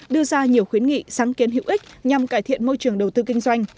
đưa ra nhiều khuyến nghị sáng kiến hữu ích nhằm cải thiện môi trường đầu tư kinh doanh